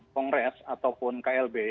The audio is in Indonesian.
kongres ataupun klb